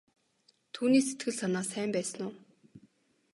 Түүний сэтгэл санаа сайн байсан уу?